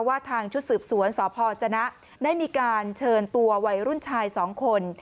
ว่าทางชุดสืบสวนสพจนะได้มีการเชิญตัววัยรุ่นชายสองคน